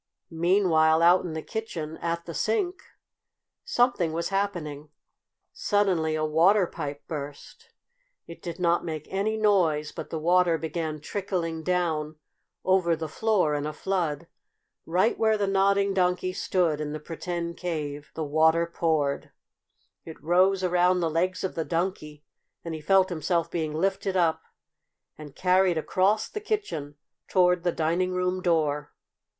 Meanwhile, out in the kitchen, at the sink, something was happening. Suddenly a water pipe burst. It did not make any noise, but the water began trickling down over the floor in a flood. Right where the Nodding Donkey stood, in the pretend cave, the water poured. It rose around the legs of the Donkey, and he felt himself being lifted up and carried across the kitchen toward the dining room door.